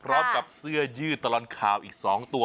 พร้อมกับเสื้อยืดตลอนคาวอีก๒ตัว